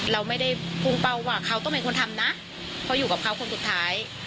เราไม่ได้พุ่งเป้าว่าเขาต้องเป็นคนทำนะเพราะอยู่กับเขาคนสุดท้าย